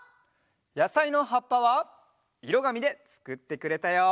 やさいのはっぱはいろがみでつくってくれたよ。